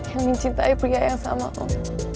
yang mencintai pria yang sama om